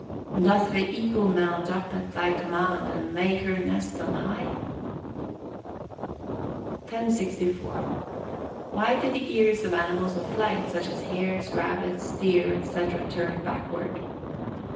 "Doth the eagle mount up at thy command, and make her nest on high?"] 1064. _Why do the ears of animals of flight, such as hares, rabbits, deer, &c., turn backward?